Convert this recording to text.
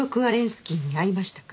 スキーに会いましたか？